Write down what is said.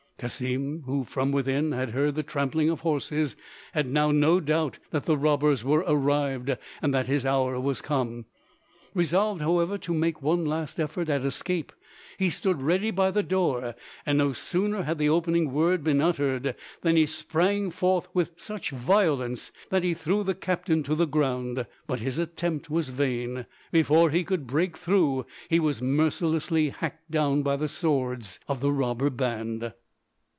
Cassim, who from within had heard the trampling of horses, had now no doubt that the robbers were arrived and that his hour was come. Resolved however to make one last effort at escape, he stood ready by the door; and no sooner had the opening word been uttered than he sprang forth with such violence that he threw the captain to the ground. But his attempt was vain; before he could break through he was mercilessly hacked down by the swords of the robber band.